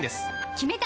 決めた！